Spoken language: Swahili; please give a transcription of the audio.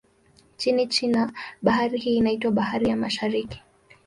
Nchini China, bahari hii inaitwa Bahari ya Mashariki.